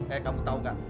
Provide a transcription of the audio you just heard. eh kamu tau gak